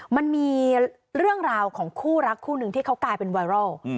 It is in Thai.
มันมีเรื่องราวของคู่รักคู่หนึ่งที่เขากลายเป็นไวรัล